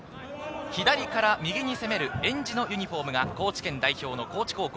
左から右に攻める、えんじのユニホームが高知県代表の高知高校。